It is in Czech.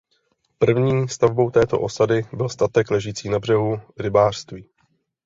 První stavbou této osady byl statek ležící na břehu rybářství.